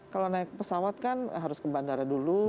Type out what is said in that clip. kalau naik pesawat kan harus ke bandara dulu